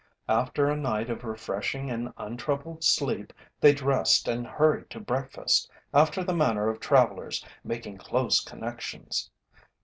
After a night of refreshing and untroubled sleep they dressed and hurried to breakfast after the manner of travellers making close connections.